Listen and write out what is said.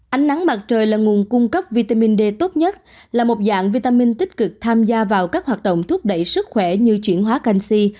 ánh nắng mặt trời là nguồn cung cấp vitamin d tốt nhất là một dạng vitamin tích cực tham gia vào các hoạt động thúc đẩy sức khỏe như chuyển hóa canxi